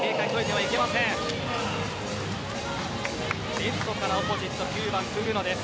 レフトからオポジットクグノです。